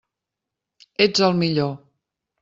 Ets el millor!